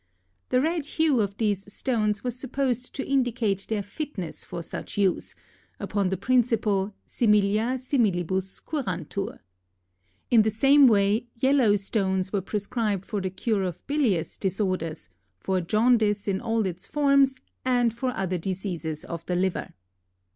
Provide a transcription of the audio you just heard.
The red hue of these stones was supposed to indicate their fitness for such use, upon the principle similia similibus curantur. In the same way yellow stones were prescribed for the cure of bilious disorders, for jaundice in all its forms and for other diseases of the liver.